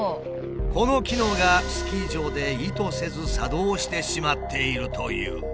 この機能がスキー場で意図せず作動してしまっているという。